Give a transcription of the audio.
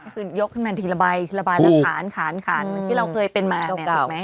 ก็คือยกขึ้นมาทีละใบทีละใบละขานขานขานเหมือนที่เราเคยเป็นมาเนี่ยถูกไหม